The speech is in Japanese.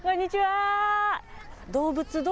こんにちは。